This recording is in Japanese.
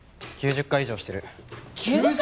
９０回以上してる９０回！？